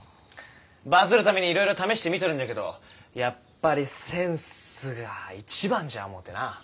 バズるためにいろいろ試してみとるんじゃけどやっぱりセンスが一番じゃ思ってな。